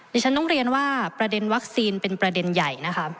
ดิฉันต้องเรียนว่าประเด็นวัคซีนเป็นประเด็นใหญ่นะคะ